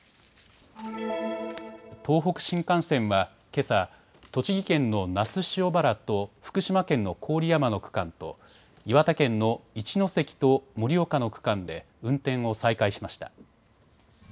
東北新幹線は、けさ、栃木県の那須塩原と福島県の郡山の区間と岩手県の一ノ関と盛岡の区間で運転を再開しました。